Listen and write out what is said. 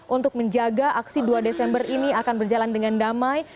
untuk menjaga aksi dua desember ini akan berjalan dengan damai